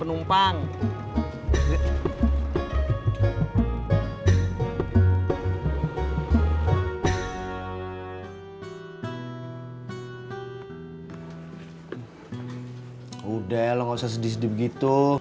udah lo gak usah sedih sedih begitu